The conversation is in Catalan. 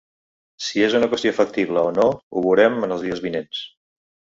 Si és una qüestió factible o no ho veurem en els dies vinents.